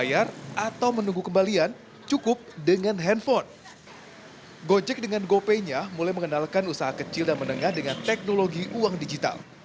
warteg dan warung kaki lima mulai mengenalkan usaha kecil dan menengah dengan teknologi uang digital